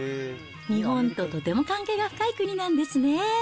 日本ととても関係が深い国なんですね。